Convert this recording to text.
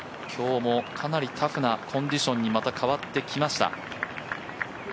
今日もかなりタフなコンディションにまた変わってきました。